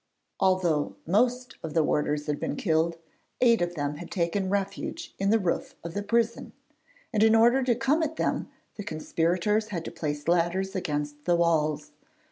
Although most of the warders had been killed, eight of them had taken refuge in the roof of the prison, and in order to come at them the conspirators had to place ladders against the walls.